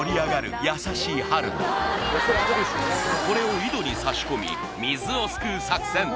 これを井戸に差し込み水をすくう作戦